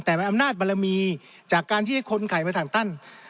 แต่มันอำนาจบารมีจากการที่ให้คนไข่มาสั่งตั้น